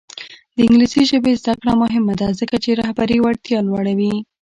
د انګلیسي ژبې زده کړه مهمه ده ځکه چې رهبري وړتیا لوړوي.